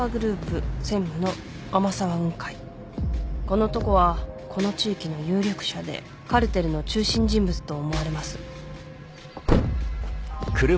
この男はこの地域の有力者でカルテルの中心人物と思われます。